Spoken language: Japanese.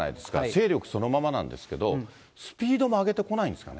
勢力そのままなんですけど、スピードも上げてこないんですかね？